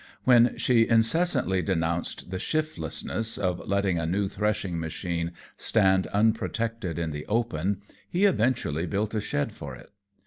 When she incessantly denounced the "shiftlessness" of letting a new threshing machine stand unprotected in the open, he eventually built a shed for it.